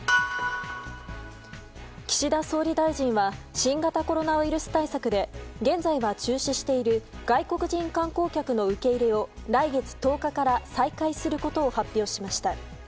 岸田総理大臣は新型コロナウイルス対策で現在は中止している外国人観光客の受け入れを来月１０日から再開することを発表しました。